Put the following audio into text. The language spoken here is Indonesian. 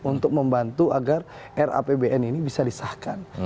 untuk membantu agar rapbn ini bisa disahkan